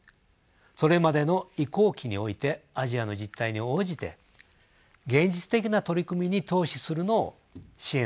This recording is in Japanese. それまでの移行期においてアジアの実態に応じて現実的な取り組みに投資するのを支援することが必要です。